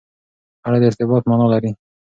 اړه د ارتباط معنا لري.